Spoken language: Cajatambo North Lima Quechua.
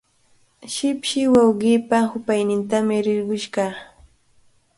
Shipshi wawqiipa hupaynintami rirqush kaa.